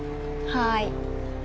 はい。